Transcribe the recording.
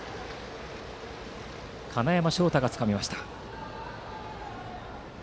金山将大がつかみました。